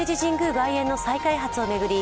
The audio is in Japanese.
外苑の再開発を巡り